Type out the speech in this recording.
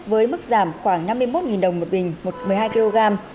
với mức giảm khoảng năm mươi một đồng một bình một mươi hai kg